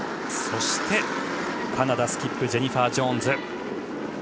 そしてカナダ、スキップジェニファー・ジョーンズ。